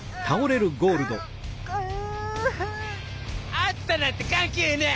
あつさなんてかんけいねぇ！